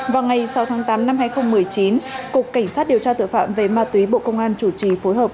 vào ngày sáu tháng tám năm hai nghìn một mươi chín cục cảnh sát điều tra tựa phạm về ma túy bộ công an chủ trì phối hợp